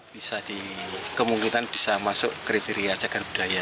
bisa dikemungkitan bisa masuk kriteria cagar budaya